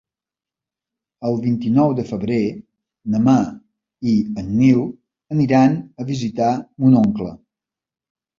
El vint-i-nou de febrer na Mar i en Nil aniran a visitar mon oncle.